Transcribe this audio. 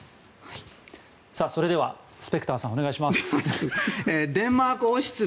それではスペクターさんお願いします。